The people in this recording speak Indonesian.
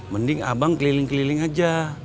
mending abang keliling keliling aja